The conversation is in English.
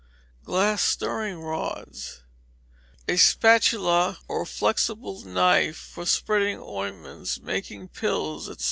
Glass stirring rods. A spatula, or flexible knife, for spreading ointments, making pills, &c.